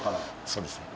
そうですね。